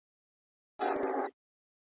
د هلک کورنۍ بايد د نجلۍ کورنۍ سپکه نه کړي.